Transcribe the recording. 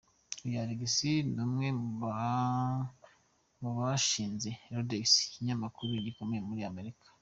Uyu Alexis ni umwe mu bashinze Reddit, ikinyamakuru gikomeye muri Amerika.